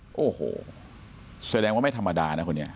โอ้โหแสดงว่าไม่ธรรมดานะคนนี้